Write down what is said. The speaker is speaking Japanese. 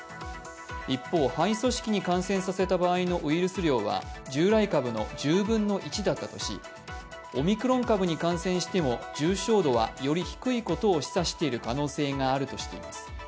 一方、肺組織に感染した場合のウイルス量は従来株の１０分の１だったとし、オミクロン株に感染しても重症度はより低いことを示唆している可能性があるということです。